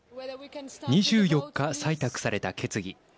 ２４日、採択された決議。